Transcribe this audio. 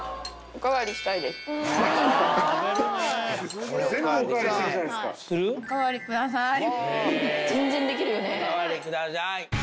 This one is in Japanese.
「おかわりください」。